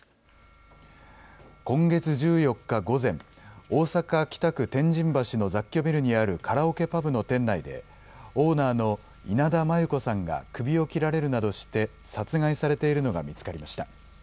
今月１４日午前、大阪・北区天神橋の雑居ビルにあるカラオケパブの店内で、オーナーの稲田真優子さんが首を切られるなどして殺害されているのが見つかりました。